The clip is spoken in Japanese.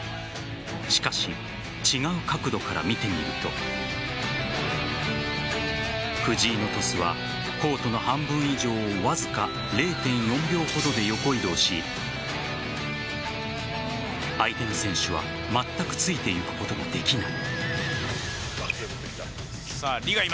しかし、違う角度から見てみると藤井のトスはコートの半分以上をわずか０．４秒ほどで横移動し相手の選手は、まったくついていくことができない。